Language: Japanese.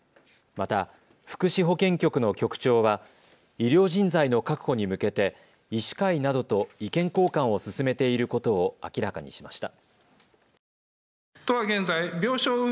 また福祉保健局の局長は医療人材の確保に向けて医師会などと意見交換を進めていることを明らかにしました。